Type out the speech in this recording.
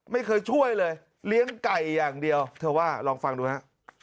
ไม่เคยช่วยเลยเลี้ยงไก่อย่างเดียวเธอว่าลองฟังดูฮะ